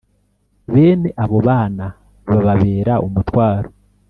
Bene abo bana bababera umutwaro